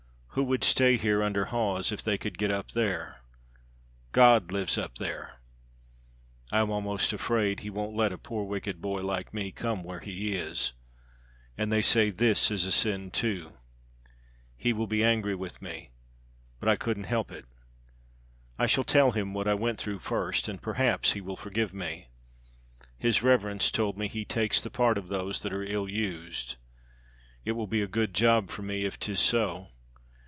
Who would stay here under Hawes if they could get up there? God lives up there! I am almost afraid He won't let a poor wicked boy like me come where He is. And they say this is a sin, too. He will be angry with me but I couldn't help it. I shall tell Him what I went through first, and perhaps He will forgive me. His reverence told me He takes the part of those that are ill used. It will be a good job for me if 'tis so.